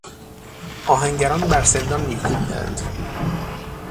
آهنگران بر سندان میکوبیدند.